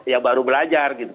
yang baru belajar gitu